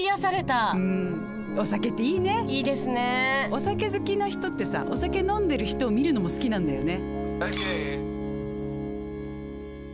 お酒好きな人ってさお酒飲んでる人を見るのも好きなんだよね。